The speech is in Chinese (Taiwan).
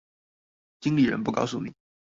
經理人不告訴你